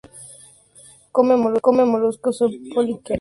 Come moluscos y poliquetos.